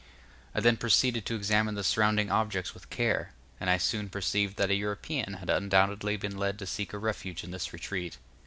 I then proceeded to examine the surrounding objects with care, and I soon perceived that a European had undoubtedly been led to seek a refuge in this retreat.